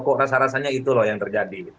kok rasa rasanya itu loh yang terjadi